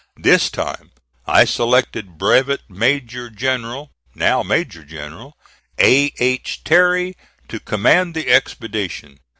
This time I selected Brevet Major General (now Major General) A. H. Terry to command the expedition.